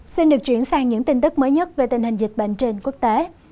xin được chuyển sang những tin tức mới nhất về tình hình dịch bệnh trên quốc tế